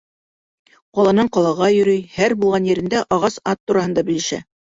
Ҡаланан ҡалаға йөрөй, һәр булған ерендә ағас ат тураһында белешә.